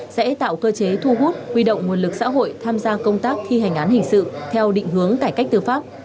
sẽ tạo cơ chế thu hút huy động nguồn lực xã hội tham gia công tác thi hành án hình sự theo định hướng cải cách tư pháp